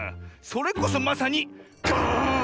それこそまさに「ガーン！」